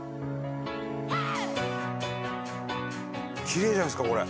キレイじゃないですかこれ！